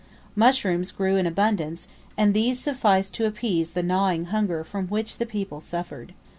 Mushrooms grew in abundance, and these sufficed to appease the gnawing hunger from which the people suffered.